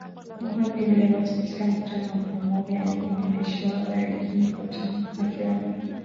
Mohamed Lebatt katika mkutano wa pamoja na waandishi wa habari mjini Khartoum akiwa na mwakilishi maalum wa umoja wa Mataifa